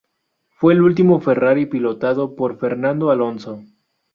Fue el último Ferrari pilotado por Fernando Alonso.